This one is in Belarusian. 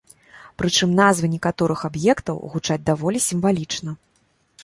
Прычым назвы некаторых аб'ектаў гучаць даволі сімвалічна.